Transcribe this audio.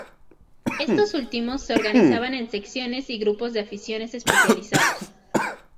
Estos últimos se organizaban en secciones y grupos de aficiones especializados.